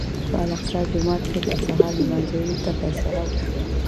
په الاقصی جومات کې تر سهار لمانځه وروسته فیصله وشوه.